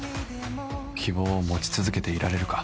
希望を持ち続けていられるか